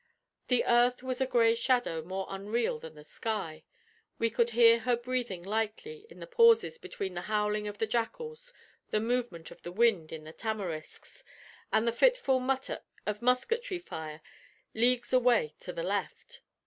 The earth was a gray shadow more unreal than the sky. We could hear her breathing lightly in the pauses between the howling of the jackals, the movement of the wind in the tamarisks, and the fitful mutter of musketry fire leagues away to the left.